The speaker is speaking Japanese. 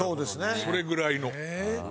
それぐらいの。